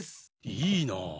いいなあ！